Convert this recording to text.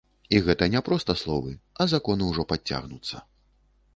І гэта не проста словы, а законы ўжо падцягнуцца.